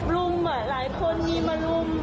ลุงอ่ะหลายคนมีมาลุง